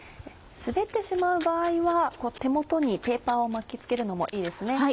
滑ってしまう場合は手元にペーパーを巻きつけるのもいいですね。